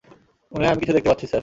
মনে হয় আমি কিছু দেখতে পাচ্ছি, স্যার।